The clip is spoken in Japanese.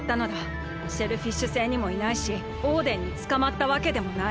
シェルフィッシュ星にもいないしオーデンにつかまったわけでもない。